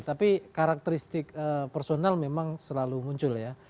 tapi karakteristik personal memang selalu muncul ya